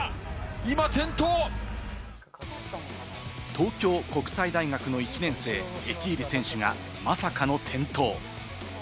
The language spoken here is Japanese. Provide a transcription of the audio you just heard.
東京国際大学の１年生・エティーリ選手がまさかの転倒。